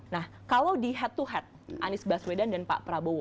nah kalau di head to head anies baswedan dan pak prabowo